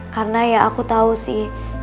karena ya aku tau sih